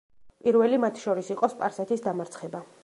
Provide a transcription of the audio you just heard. პირველი მათ შორის იყო სპარსეთის დამარცხება.